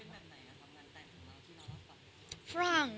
เป็นแบบไหนนะครับมันแต่งของเราที่นั่งล่างฝั่ง